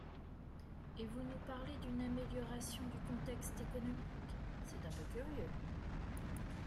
Et vous nous parlez d’une amélioration du contexte économique, c’est un peu curieux